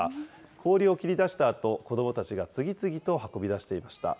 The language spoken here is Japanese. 氷を切り出したあと、子どもたちが次々と運び出していました。